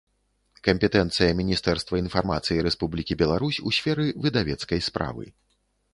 Кампетэнцыя Мiнiстэрства iнфармацыi Рэспублiкi Беларусь у сферы выдавецкай справы